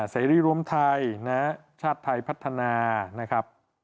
เสรีรวมไทยนะชาติไทยพัฒนานะครับ